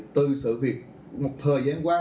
từ sự việc một thời gian qua